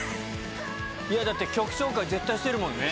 だって曲紹介絶対してるもんね。